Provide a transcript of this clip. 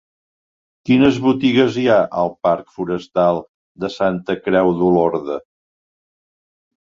Quines botigues hi ha al parc Forestal de Santa Creu d'Olorda?